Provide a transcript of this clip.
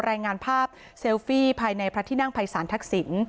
รายงานภาพเซลฟี่ภายในพระที่นั่งภัยศาลทักษิณ